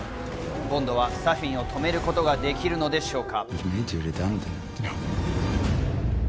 ボンドはサフィンを止めることができるのでしょうか。